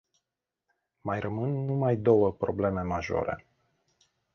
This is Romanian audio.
Mai rămân numai două probleme majore.